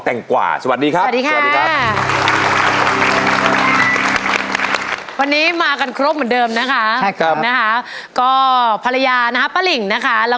ต้อนรับอากงหรือคุณตานะครับ